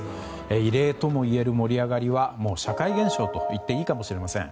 異例ともいえる盛り上がりはもう社会現象といっていいかもしれません。